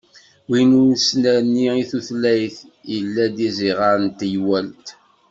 Win n usnerni i tutlayt i yella d iẓiɣer n teywalt.